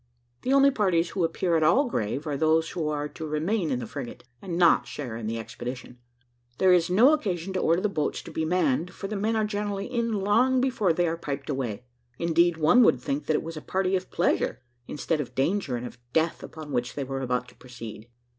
The only parties who appear at all grave are those who are to remain in the frigate, and not share in the expedition. There is no occasion to order the boats to be manned, for the men are generally in long before they are piped away. Indeed, one would think that it was a party of pleasure instead of danger and of death upon which they were about to proceed.